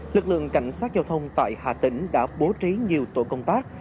lực lượng cảnh sát giao thông tại hà tĩnh đã bố trí nhiều tổ công tác